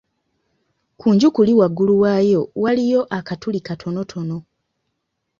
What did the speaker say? Ku nju kuli waggulu waayo waliyo akatuli katonotono.